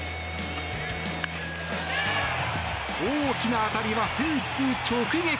大きな当たりはフェンス直撃！